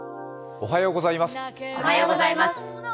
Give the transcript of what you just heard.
おはようございます。